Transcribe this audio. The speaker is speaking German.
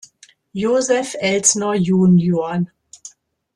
Joseph Elsner jun.